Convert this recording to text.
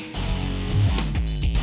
terima kasih chandra